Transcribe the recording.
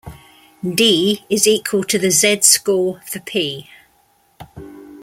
"D" is equal to the z-score for "P".